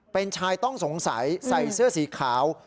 เป็นชายต้องสงสัยใส่เสื้อสีขาว